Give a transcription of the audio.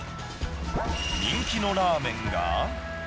人気のラーメンが。